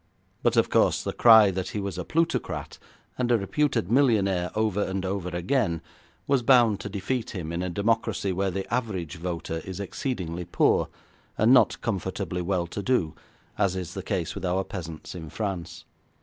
But, of course, the cry that he was a plutocrat, and a reputed millionaire over and over again, was bound to defeat him in a democracy where the average voter is exceedingly poor and not comfortably well to do as is the case with our peasants in France.